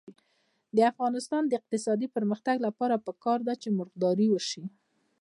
د افغانستان د اقتصادي پرمختګ لپاره پکار ده چې مرغداري وشي.